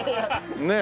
ねえ。